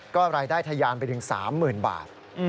ก็รายได้ถยานไปถึง๓หมื่นบาท